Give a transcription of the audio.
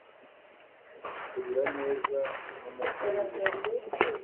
Kurira neza no munsi yibirenge byanjye